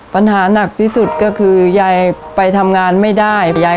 ปัญหาหนักที่สุดก็คือยายไปทำงานไม่ได้ยาย